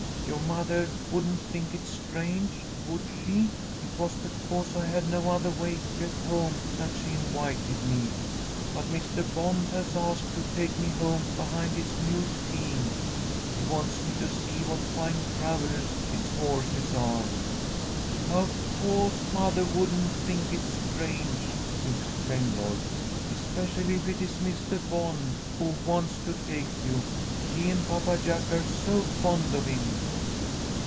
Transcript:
Your mother wouldn't think it strange, would she? It was because I had no other way to get home that she invited me. But Mr. Bond has asked to take me home behind his new team. He wants me to see what fine travellers his horses are." "Of co'se mothah wouldn't think it strange!" exclaimed Lloyd. "Especially if it is Mistah Bond who wants to take you. She and Papa Jack are so fond of him."